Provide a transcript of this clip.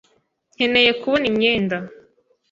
Nkeneye kubona imyenda.